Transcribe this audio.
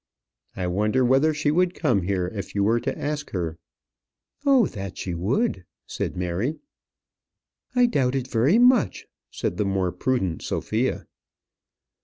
"I wonder whether she would come here if you were to ask her." "Oh, that she would," said Mary. "I doubt it very much," said the more prudent Sophia.